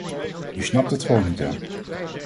U snapt het gewoon niet, hè?